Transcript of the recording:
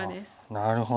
なるほど。